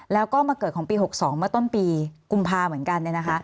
แล้วก็มาเกิดของปี๖๒เมื่อต้นปีกุมภาเหมือนกัน